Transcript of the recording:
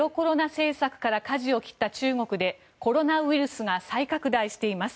政策からかじを切った中国でコロナウイルスが再拡大しています。